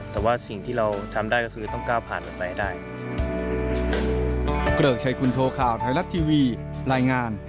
แต่ว่าสิ่งที่เราทำได้ก็คือต้องก้าวผ่านมันไปให้ได้